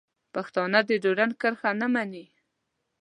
پښتانه ډیورنډ کرښه نه مني.